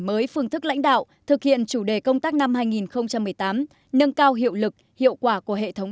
mới phương thức lãnh đạo thực hiện chủ đề công tác năm hai nghìn một mươi tám nâng cao hiệu lực hiệu quả của hệ thống